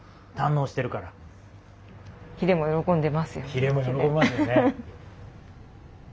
ヒレも喜びますよね。